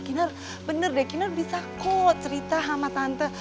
kinar bener deh kinar bisa kok cerita sama tante